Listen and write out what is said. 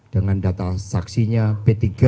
dengan data saksinya p tiga